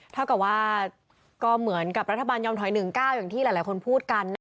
เท่ากับว่าก็เหมือนกับรัฐบาลยอมถอย๑๙อย่างที่หลายคนพูดกัน